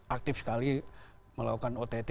aktif sekali melakukan ott